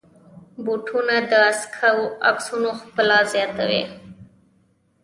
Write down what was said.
بوټونه د عکسونو ښکلا زیاتوي.